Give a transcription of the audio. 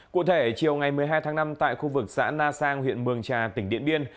cụ thể chiều ngày một mươi hai tháng năm tại khu vực xã na sang huyện mường trà tỉnh điện biên